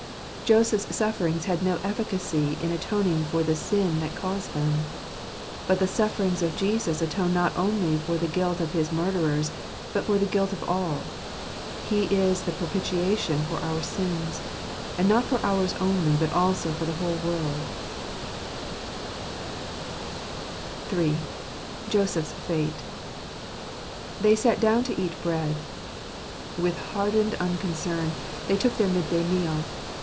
Joseph's sufferings had no efficacy in atoning for the sin that caused them ; but the sufferings of Jesus atone not only for the guilt of his murderers, but for the guilt of all ;" He is the propitiation for our sins ; and not for ours only, but also for the whole world" III. Joseph's Fate. — "They sat down to eat bread." With hardened unconcern they took their midday meal.